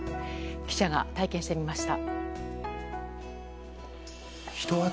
記者が体験してみました。